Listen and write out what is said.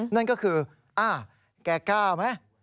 นั่นก็คือแกกล้าไหม